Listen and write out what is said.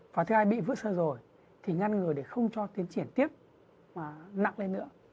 và hai bị vữa sơ rồi thì ngăn ngừa để không cho tiến triển tiếp nặng lên nữa